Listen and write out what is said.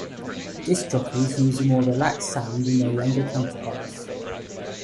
Disc jockeys use a more relaxed sound than their younger counterparts.